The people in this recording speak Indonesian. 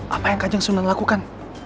apa yang kajang sunan lakukan